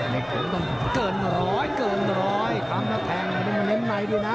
เกินมาร้อยเกินมาร้อยทำหน้าแทงเน้นในดูนะ